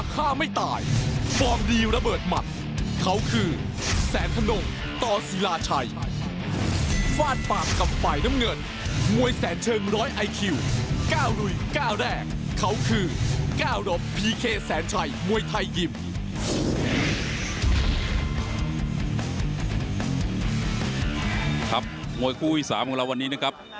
มวยคู่ที่๓ของเราวันนี้นะครับ